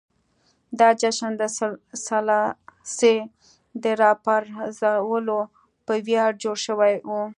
دا جشن د سلاسي د راپرځولو په ویاړ جوړ شوی و.